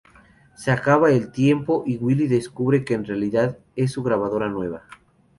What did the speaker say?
Se acaba el tiempo y Willie descubre que en realidad es su grabadora nueva.